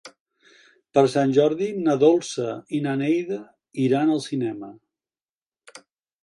Per Sant Jordi na Dolça i na Neida iran al cinema.